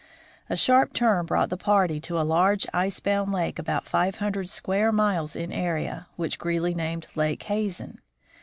A sharp turn brought the party to a large icebound lake about five hundred square miles in area, which Greely named Lake Hazen.